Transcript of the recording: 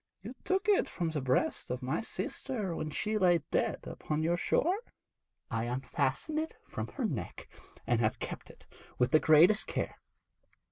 'You took it from the breast of my sister when she lay dead upon your shore?' 'I unfastened it from her neck, and have kept it with the greatest care.